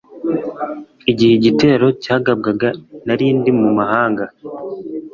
igihe igitero cyagabwaga narindi mu mahanga